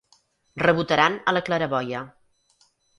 Rebotaran a la claraboia.